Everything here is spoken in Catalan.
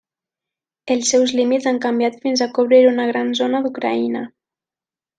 Els seus límits han canviat fins a cobrir una gran zona d'Ucraïna.